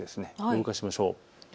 動かしましょう。